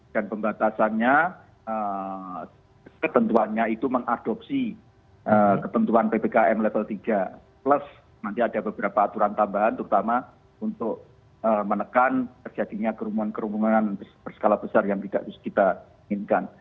dan pembatasannya ketentuannya itu mengadopsi ketentuan ppkm level tiga plus nanti ada beberapa aturan tambahan terutama untuk menekan terjadinya kerumunan kerumunan berskala besar yang tidak harus kita inginkan